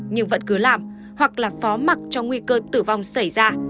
nhưng vẫn cứ làm hoặc là phó mặt cho nguy cơ tử vong xảy ra